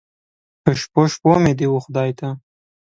په شپو، شپو مې دې و خدای ته